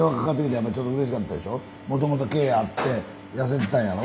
もともと毛あって痩せてたんやろ？